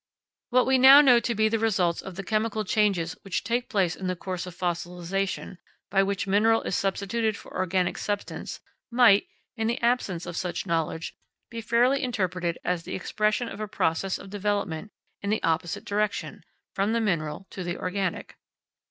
What we now know to be the results of the chemical changes which take place in the course of fossilisation, by which mineral is substituted for organic substance, might, in the absence of such knowledge, be fairly interpreted as the expression of a process of development in the opposite direction from the mineral to the organic.